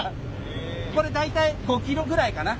これ大体５キロぐらいかな。